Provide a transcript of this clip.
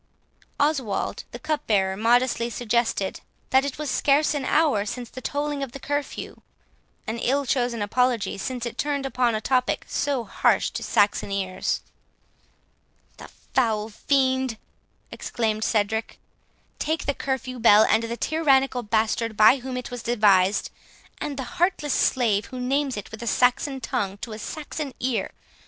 11 Oswald the cupbearer modestly suggested, "that it was scarce an hour since the tolling of the curfew;" an ill chosen apology, since it turned upon a topic so harsh to Saxon ears. "The foul fiend," exclaimed Cedric, "take the curfew bell, and the tyrannical bastard by whom it was devised, and the heartless slave who names it with a Saxon tongue to a Saxon ear!